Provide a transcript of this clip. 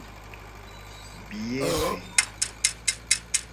Biye ve.